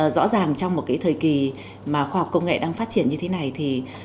rõ ràng trong một cái thời kỳ mà khoa học công nghệ đang phát triển như thế này thì